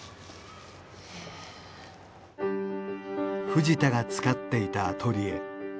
へえ藤田が使っていたアトリエ